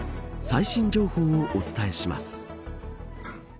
最新情報をお伝えします。